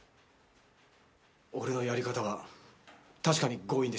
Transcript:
俺のやり方は確かに強引でした。